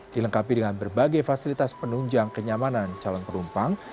dilengkapi dengan berbagai fasilitas penunjang kenyamanan calon penumpang